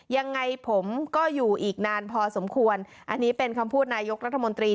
ยังไงผมก็อยู่อีกนานพอสมควรอันนี้เป็นคำพูดนายกรัฐมนตรี